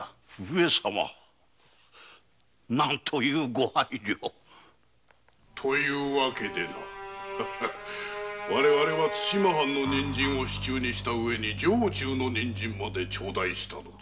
上様なんという御配慮という訳でな我々は対馬藩の人参を手中にした上に城中の人参まで手にしたのだ。